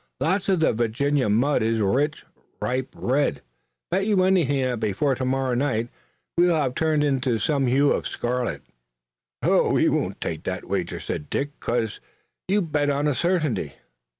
"Lots of the Virginia mud is a rich, ripe red. Bet you anything that before tomorrow night we will have turned to some hue of scarlet." "We won't take the wager," said Dick, "because you bet on a certainty."